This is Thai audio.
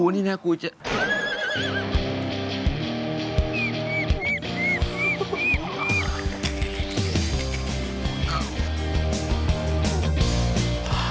นี่นะผมจะ